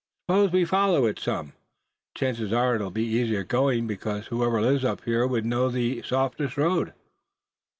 "Suppose we follow it some. Chances are it'll be easier going, because whoever lives up here would know the softest road."